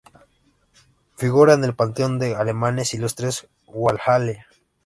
Figura en el panteón de alemanes ilustres Walhalla.